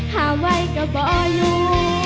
ฮาวัยก็บ่อยู่